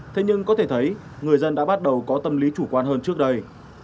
thế nhưng có thể thấy người dân đã bắt đầu có tâm lý chủ quan hơn trước đây